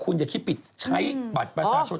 คุณอย่าคิดไปใช้บัตรประชาชน